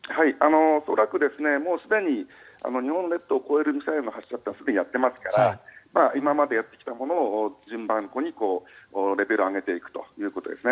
恐らく、すでに日本列島を越えるミサイルの発射というのはやってますから今までやってきたものを順番にレベルを上げていくということです。